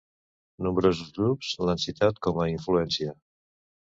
Nombrosos grups l'han citat com a influència.